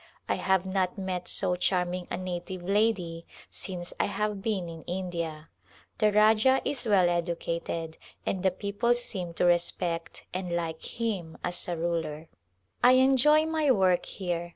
I have not met so charming a native lady since I have been in India. The Rajah is well educated and the people seem to respect and like him as a ruler. Call to Rajputana I enjoy my work here.